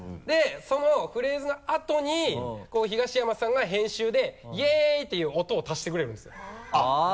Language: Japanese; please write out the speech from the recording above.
そのフレーズのあとに東山さんが編集で「イエー！！」っていう音を足してくれるんですよあっ。